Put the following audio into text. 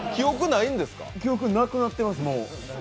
記憶なくなってます、もう。